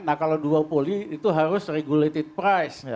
nah kalau duopoli itu harus regulated price